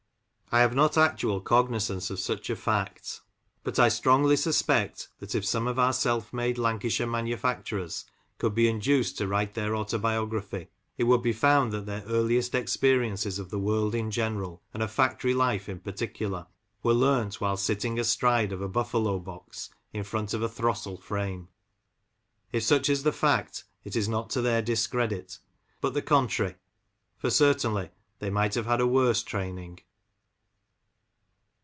I have not actual cognizance of such a fact ; but I Lancashire Factory Doffers. 55 strongly suspect that if some of our self made Lancashire manufacturers could be induced to write their autobiography, it would be found that their earliest experiences of the world in general, and of factory life in particular, were learnt whilst sitting astride of a buffalo box, in front of a throstle frame. If such is the fact, it is not to their discredit, but the contrary, for certainly they might have had a worse training.